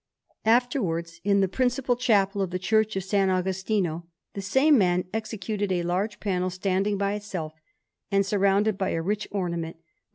Afterwards, in the principal chapel of the Church of S. Agostino, the same man executed a large panel standing by itself and surrounded by a rich ornament, with S.